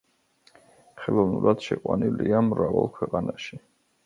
ხელოვნურად შეყვანილია მრავალ ქვეყანაში.